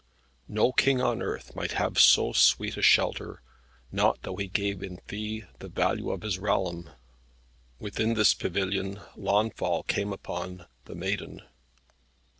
No King on earth might have so sweet a shelter, not though he gave in fee the value of his realm. Within this pavilion Launfal came upon the Maiden.